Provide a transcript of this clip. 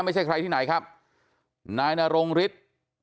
ไม่ใช่ใครที่ไหนครับนายนรงฤทธิ์